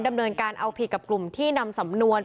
ดำเนินการเอาผิดกับกลุ่มที่นำสำนวน